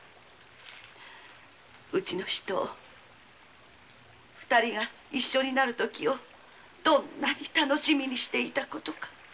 うちの人二人が一緒になるときをどんなに楽しみにしていたか。